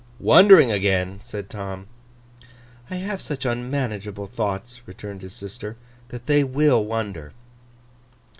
'Wondering again!' said Tom. 'I have such unmanageable thoughts,' returned his sister, 'that they will wonder.